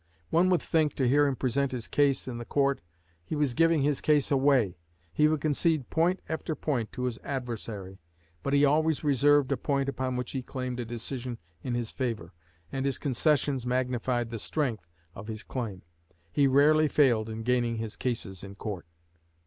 One would think, to hear him present his case in the court, he was giving his case away. He would concede point after point to his adversary. But he always reserved a point upon which he claimed a decision in his favor, and his concessions magnified the strength of his claim. He rarely failed in gaining his cases in court."